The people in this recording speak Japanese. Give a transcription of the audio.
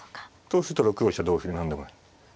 そうすると６五飛車同歩で何でもない。